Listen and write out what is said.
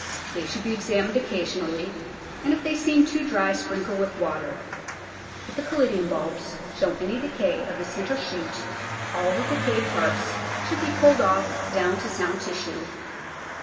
They should be examined occasionally, and if they seem too dry sprinkle with water. If the Caladium bulbs show any decay of the centre shoot all the decayed parts should be pulled off down to sound tissue.